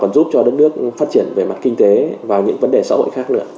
còn giúp cho đất nước phát triển về mặt kinh tế và những vấn đề xã hội khác nữa